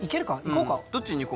行こうか！